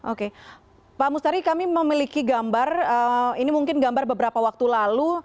oke pak mustari kami memiliki gambar ini mungkin gambar beberapa waktu lalu